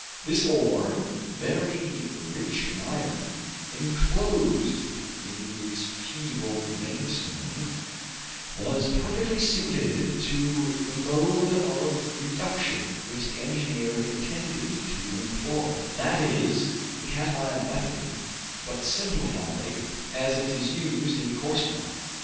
This ore, very rich in iron, enclosed in its fusible veinstone, was perfectly suited to the mode of reduction which the engineer intended to employ; that is, the Catalan method, but simplified, as it is used in Corsica.